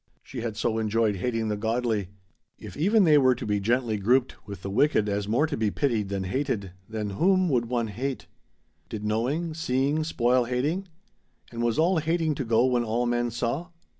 She had so enjoyed hating the godly. If even they were to be gently grouped with the wicked as more to be pitied than hated, then whom would one hate? Did knowing seeing spoil hating? And was all hating to go when all men saw?